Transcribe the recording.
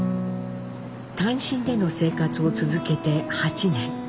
単身での生活を続けて８年。